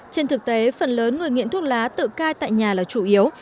trên thực tế phần lớn người nghiện thuốc lá tự cai tại nhà là chủ yếu